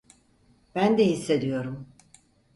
Ben de hissediyorum.